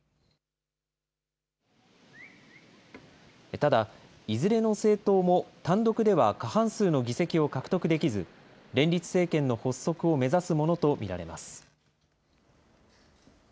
ただ、いずれの政党も単独では過半数の議席を獲得できず、連立政権の発足を目指すものと見られます。